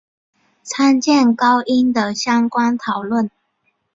参见音高的相关讨论。